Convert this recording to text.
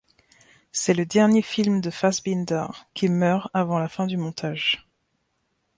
C'est le dernier film de Fassbinder, qui meurt avant la fin du montage.